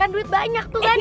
duit banyak tuh kan